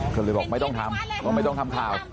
ก็เลยบอกไม่ต้องทำก็ไม่ต้องทำข่าว